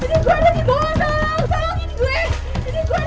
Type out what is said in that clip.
ini gua ada di bawah tolong